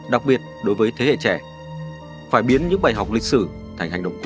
đặc biệt đối với thế hệ trẻ phải biến những bài học lịch sử thành hành động cụ thể